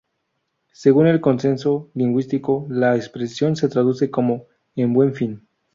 Según el consenso lingüístico, la expresión se traduce como "en buen fin".